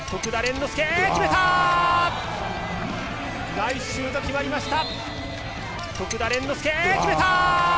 ナイスシュート決まりました。